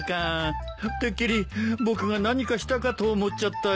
てっきり僕が何かしたかと思っちゃったよ。